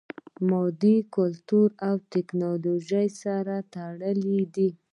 مادي کلتور له ټکنالوژي سره تړلی دی.